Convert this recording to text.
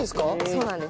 そうなんです。